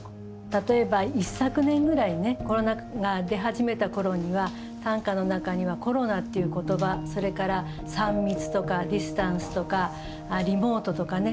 例えば一昨年ぐらいねコロナが出始めた頃には短歌の中にはコロナっていう言葉それから３密とかディスタンスとかリモートとかね